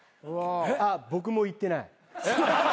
あっ僕も行ってない。